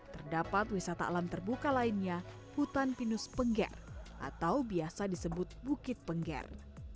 terdapat wisata alam terbuka lainnya hutan pinus pengger atau biasa disebut bukit pengger